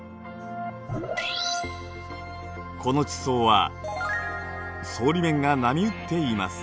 この地層は層理面が波打っています。